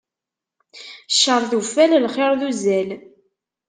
Cceṛ d uffal, lxiṛ d uzzal.